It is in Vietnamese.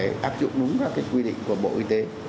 để áp dụng đúng các quy định của bộ y tế